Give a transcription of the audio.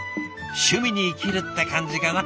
趣味に生きるって感じかな？